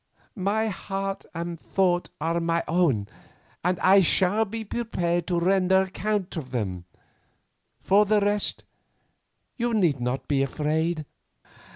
My heart and thought are my own, and I shall be prepared to render account of them; for the rest, you need not be afraid."